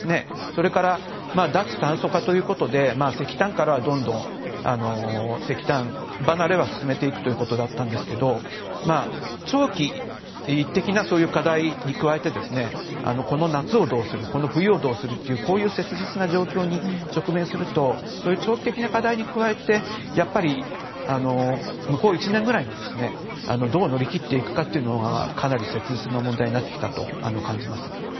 それから脱炭素化ということで石炭からどんどん石炭離れは進めていくということだったんですが長期的なそういう課題に加えてこの夏をどうするこの冬をどうするこういう切実な状況に直面するとそういう長期的な課題に加えてやっぱり向こう１年ぐらいをどう乗り切っていくのかというのがかなり切実な問題になってきたと感じます。